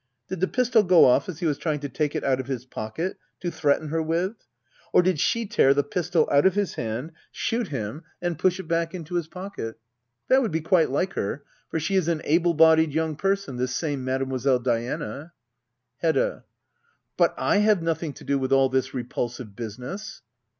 Did the pistol go off as he was trpng to take it out of his pockety to threaten her with ? Or did she tear the pistol out of his hand, shoot him, and Digitized by Google 182 HEDDA OABLER. [aCT IV. push it back into his pocket? That would be quite like her ; for she is an able bodied young person^ this same Mademoiselle Diana. Hedda. But / have nothing to do with all this repulsive business.